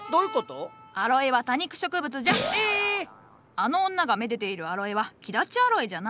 あの女がめでているアロエはキダチアロエじゃな。